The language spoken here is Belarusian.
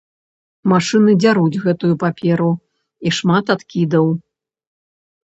Машыны дзяруць гэтую паперу, і шмат адкідаў.